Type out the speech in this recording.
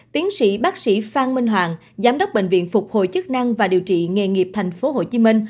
tiến sĩ bác sĩ phan minh hoàng giám đốc bệnh viện phục hồi chức năng và điều trị nghề nghiệp tp hcm